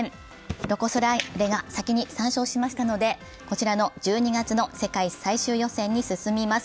ロコ・ソラーレが先に３勝しましたので、１２月の世界最終予選に進みます。